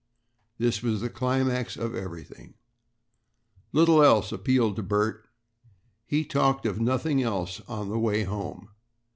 This was the climax of everything. Little else appealed to Bert; he talked of nothing else on the way home.